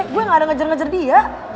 gue gak ada ngejar ngejar dia